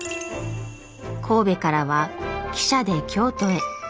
神戸からは汽車で京都へ。